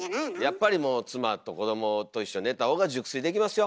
やっぱりもう妻と子どもと一緒に寝た方が熟睡できますよ！